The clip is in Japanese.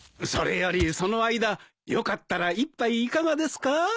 それよりその間よかったら一杯いかがですか？